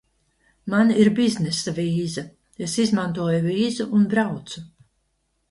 Man ir biznesa vīza. Es izmantoju vīzu un braucu.